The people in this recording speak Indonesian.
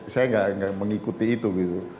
saya nggak mengikuti itu gitu